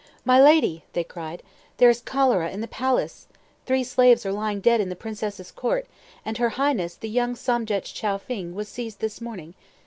"My lady," they cried, "there is cholera in the palace! Three slaves are lying dead in the princesses' court; and her Highness, the young Somdetch Chow Fâ ying, was seized this morning.